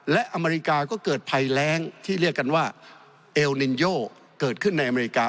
และอเมริกาก็เกิดภัยแรงที่เรียกกันว่าเอลนินโยเกิดขึ้นในอเมริกา